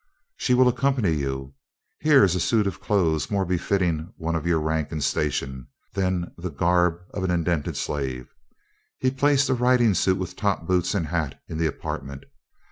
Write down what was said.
"She will accompany you. Here is a suit of clothes more befitting one of your rank and station, than the garb of an indented slave." He placed a riding suit with top boots and hat in the apartment.